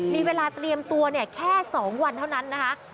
มีเวลาเตรียมตัวแค่๒วันเท่านั้นนะคะ